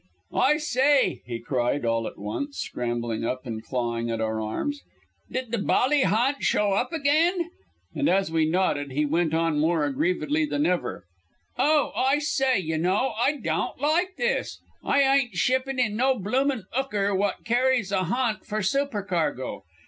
"I sye," he cried, all at once scrambling up and clawing at our arms, "D'd the bally ha'nt show up agyne?" And as we nodded he went on more aggrievedly than ever "Oh, I sye, y' know, I daon't like this. I eyen't shipping in no bloomin' 'ooker wot carries a ha'nt for supercargo.